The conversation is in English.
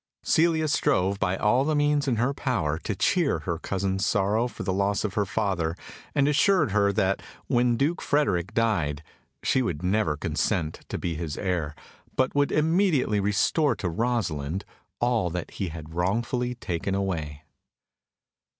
Celia strove by all the means in her power to cheer her cousin's sorrow for the loss of her father, and assured her that when Duke Frederick died she would never consent to be his heir, but would immediately restore to Rosalind all that he had wrongfully taken away.